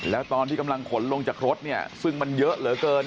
แล้วตอนที่กำลังขนลงจากรถเนี่ยซึ่งมันเยอะเหลือเกิน